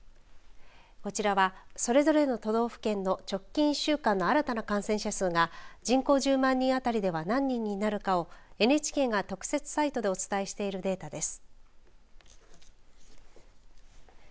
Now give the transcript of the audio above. こちらはそれぞれの都道府県の直近１週間の新たな感染者数が人口１０万人当たりでは何人になるかをＮＨＫが特設サイトでお伝えしているデータです。